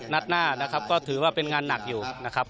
นัดหน้านะครับก็ถือว่าเป็นงานหนักอยู่นะครับ